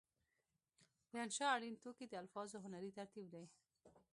د انشأ اړین توکي د الفاظو هنري ترتیب دی.